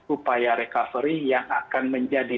upaya recovery yang akan menjadi